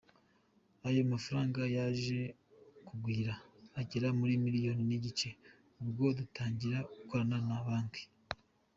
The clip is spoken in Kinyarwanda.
Ayo mafaranga yaje kugwira agera muri miliyoni n’igice, ubwo dutangira gukorana na Banki.